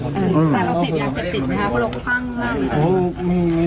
มอบพ่างพี่กัน